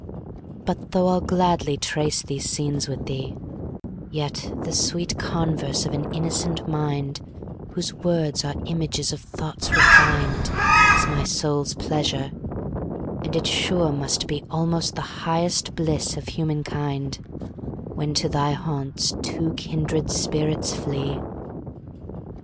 But though I'll gladly trace these scenes with thee, Yet the sweet converse of an innocent mind, Whose words are images of thoughts refin'd, Is my soul's pleasure; and it sure must beAlmost the highest bliss of human kind, When to thy haunts two kindred spirits flee.